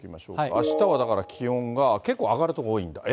あしたはだから気温が、結構上がる所多いんだ。